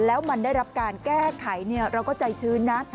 แล้วมันได้รับการแก้ไขเราก็ใจชื้นนะ